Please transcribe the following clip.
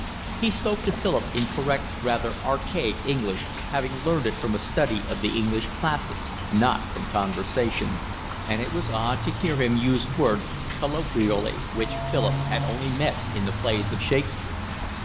He spoke to Philip in correct, rather archaic English, having learned it from a study of the English classics, not from conversation; and it was odd to hear him use words colloquially which Philip had only met in the plays of Shakespeare.